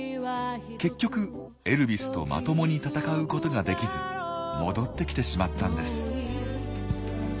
結局エルビスとまともに戦うことができず戻ってきてしまったんです。